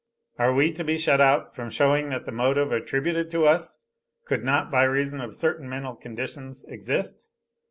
Are we to be shut out from showing that the motive attributed to us could not by reason of certain mental conditions exist?